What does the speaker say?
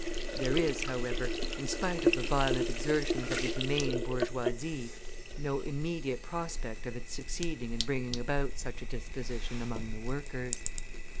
There is, however, in spite of the violent exertions of the humane bourgeoisie, no immediate prospect of its succeeding in bringing about such a disposition among the workers.